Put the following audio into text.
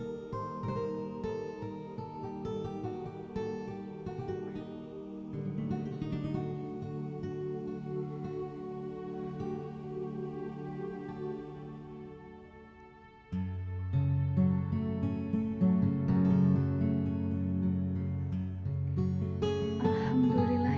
anda belum bisa